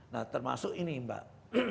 nah termasuk ini mbak